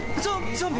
ゾンビ⁉